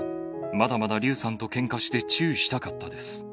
まだまだ竜さんとけんかして、チューしたかったです。